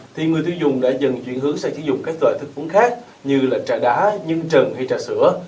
thì người tiêu dùng đã dần chuyển hướng sang sử dụng các loại thức uống khác như là trà đá nhưng trần hay trà sữa